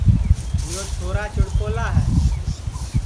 یو چھورا چِڑوکلا ہے